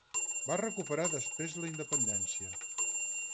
Va recuperar després la independència.